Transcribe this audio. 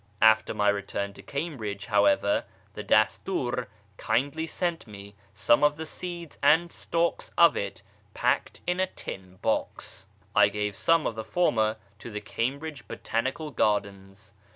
After my return to Cambridge, however, the Dastur kindly sent me some of the seeds and stalks of it packed in a tin box. I gave some of the former to the Cambridge Botanical Gardens.